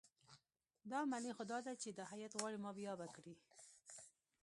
دا معنی خو دا ده چې دا هیات غواړي ما بې آبه کړي.